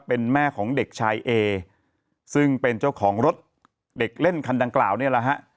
เป็นแม่ของเด็กชายเอซึ่งเป็นเจ้าของรถเด็กเล่นคันดังกล่าวเนี่ยแหละฮะ